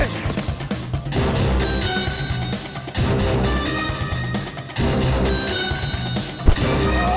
pergi ke kita